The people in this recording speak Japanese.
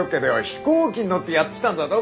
飛行機に乗ってやって来たんだぞ